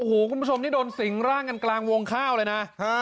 โอ้โหคุณผู้ชมนี่โดนสิงร่างกันกลางวงข้าวเลยนะ